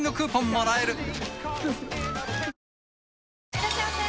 いらっしゃいませ！